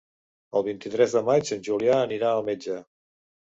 El vint-i-tres de maig en Julià anirà al metge.